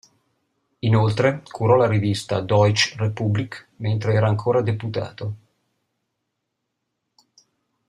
Inoltre, curò la rivista "Deutsche Republik" mentre era ancora deputato.